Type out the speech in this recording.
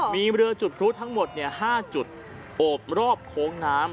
มีเรือจุดพลุทั้งหมด๕จุดโอบรอบโค้งน้ำ